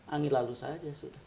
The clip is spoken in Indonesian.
angin lalu saja sudah